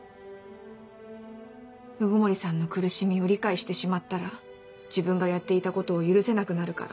鵜久森さんの苦しみを理解してしまったら自分がやっていたことを許せなくなるから。